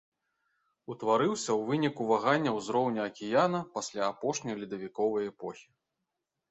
Утварыўся ў выніку вагання ўзроўню акіяна пасля апошняй ледавіковай эпохі.